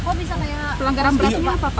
kok bisa pelanggaran beratnya pak